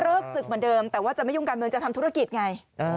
ศึกเหมือนเดิมแต่ว่าจะไม่ยุ่งการเมืองจะทำธุรกิจไง